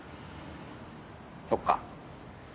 そっか。